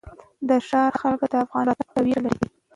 د ښار خلک د افغانانو راتګ ته وېره لري.